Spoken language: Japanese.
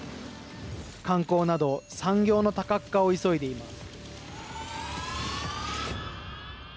観光など産業の多角化を急いでいます。